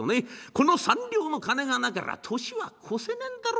この三両の金がなけりゃ年は越せねえんだろ。